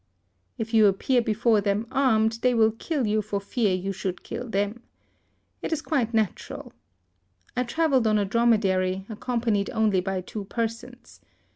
If you appear before them armed, they will kill you for fear you should kill them. It is quite nat ural. I travelled on a dromedary, accom panied only by two persons.